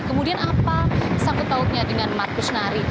kemudian apa sangkut tautnya dengan markus nari